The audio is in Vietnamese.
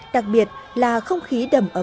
đặc biệt là không khí